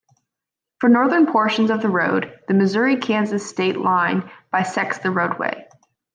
For northern portions of the road, the Missouri-Kansas state line bisects the roadway.